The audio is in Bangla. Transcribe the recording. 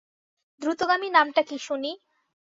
দ্রুতগামী নামটা কী শুনি।